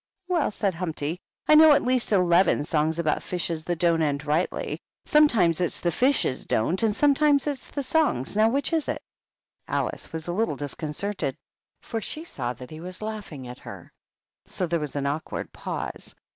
" Well," said Humpty, " I know at least eleven songs about fishes that don't end rightly. Some times it's the fishes don't, and sometimes it's the songs. Now, which is it?" Alice was a little disconcerted, for she saw that he was laughing at her ; so there was an awkward pause.